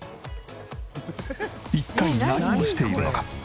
一体何をしているのか？